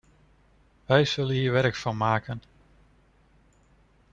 Wij zullen hier werk van maken.